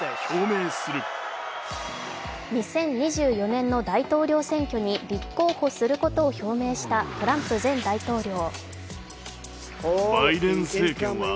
２０２４年の大統領選挙に立候補することを表明したトランプ前大統領。